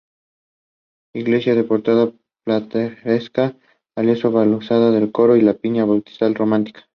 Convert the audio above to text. Iglesia con portada plateresca, valiosa balaustrada del coro y pila bautismal románica.